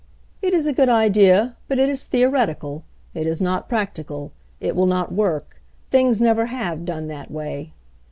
"It is a good idea, but it is theoretical. It is not practical. It will not work. Things never have done that way."